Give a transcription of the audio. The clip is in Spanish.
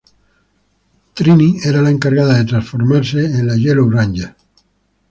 Trini era la encargada de transformarse en la "Yellow Ranger".